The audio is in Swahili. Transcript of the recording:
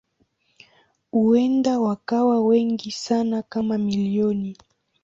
Huenda wakawa wengi sana kama milioni.